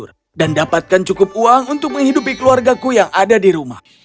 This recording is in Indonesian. dengan aku yang jujur dan dapatkan cukup uang untuk menghidupi keluarga ku yang ada di rumah